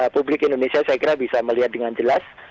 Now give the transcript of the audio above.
publik indonesia saya kira bisa melihat dengan jelas